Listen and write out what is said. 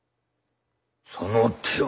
「その手は！」。